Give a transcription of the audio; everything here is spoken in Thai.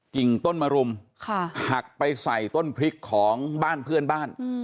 กิ่งต้นมรุมหักไปใส่ต้นพริกของบ้านเพื่อนบ้าน